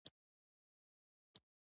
پسه د تواضع نښه ده.